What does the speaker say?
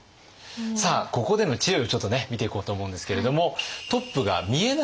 さあここでの知恵をちょっとね見ていこうと思うんですけれども。